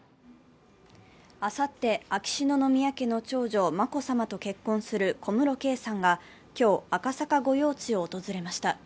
あさって秋篠宮家の長女、眞子さまと結婚する小室圭さんが今日、赤坂御用地を訪れました。